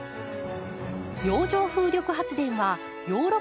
洋上風力発電はヨーロッパが先進地。